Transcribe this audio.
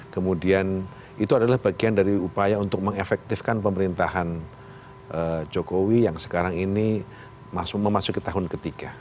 kemudian itu adalah bagian dari upaya untuk mengefektifkan pemerintahan jokowi yang sekarang ini memasuki tahun ketiga